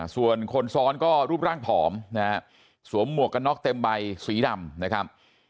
ส่วนคนซ้อนก็รูปร่างผอมนะฮะสวมหมวกกันน็อกเต็มใบสีดำนะครับ